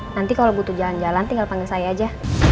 nanti kalau butuh jalan jalan tinggal panggil saya aja